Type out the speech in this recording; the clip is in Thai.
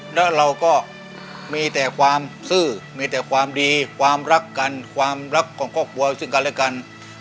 แล้วเราก็มีแต่ความซื่อมีแต่ความดีความรักกันความรักของครอบครัวซึ่งกันและกัน